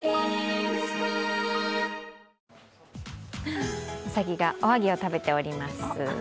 うさぎがおはぎを食べております。